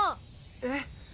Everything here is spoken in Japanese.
えっ！